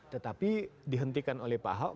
tetapi dihentikan oleh pak ahok